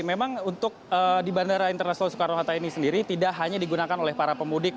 memang untuk di bandara internasional soekarno hatta ini sendiri tidak hanya digunakan oleh para pemudik